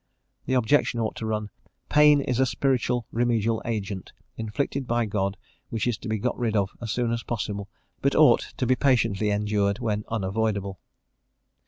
The objection ought to run: "pain is a spiritual remedial agent, inflicted by God, which is to be got rid of as soon as possible, but ought to be patiently endured when unavoidable."